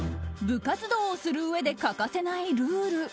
部活動をするうえで欠かせないルール。